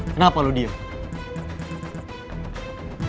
kenapa lu diam